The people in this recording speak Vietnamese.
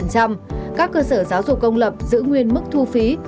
các cơ sở giáo dục công lập giữ nguyên mức thu phí